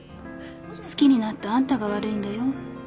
好きになったあんたが悪いんだよ。